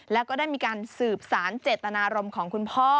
แล้วก็ได้มีการสืบสารเจตนารมณ์ของคุณพ่อ